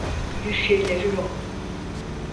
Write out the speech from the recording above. Bir şeyleri yok.